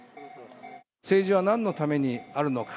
政治はなんのためにあるのか。